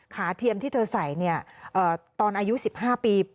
เทียมที่เธอใส่ตอนอายุ๑๕ปี